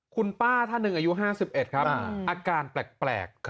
คุณป้าท่านหนึ่งอายุห้าสิบเอ็ดครับอาการแปลก